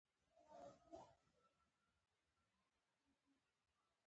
د خپل شخصیت پراختیا لپاره هڅې کول مهم دي.